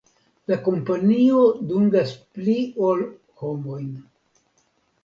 La kompanio dungas pli ol homojn.